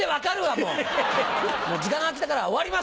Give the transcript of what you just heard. もう時間がきたから終わりますよ！